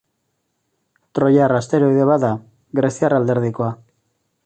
Troiar asteroide bat da, Greziar alderdikoa.